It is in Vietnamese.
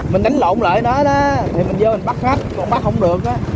mình đánh lộn lại nó đó thì mình vô mình bắt khách còn bắt không được á